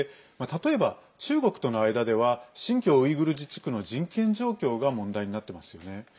例えば、中国との間では新疆ウイグル自治区の人権状況が問題になっていますよね。